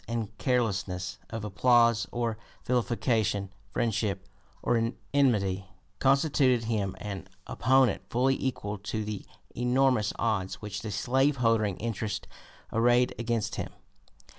246) and carelessness of applause or vilification, friendship or enmity, constituted him an opponent fully equal to the enormous odds which the slave holding interest arrayed against him.